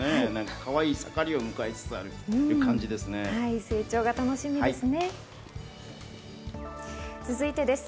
かわいい盛りを迎えつつあるという感じですね。